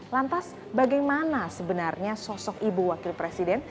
lantas bagaimana sebenarnya sosok ibu wakil presiden